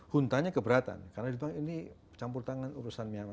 huntanya keberatan karena ini campur tangan urusan myanmar